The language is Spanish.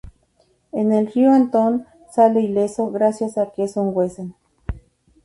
En el río Anton sale ileso gracias a que es un wesen.